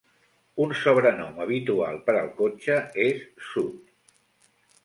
Un sobrenom habitual per al cotxe és "Sud".